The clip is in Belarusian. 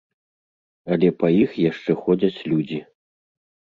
Але па іх яшчэ ходзяць людзі.